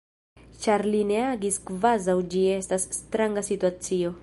Ĉar li ne agis kvazaŭ ĝi estas stranga situacio.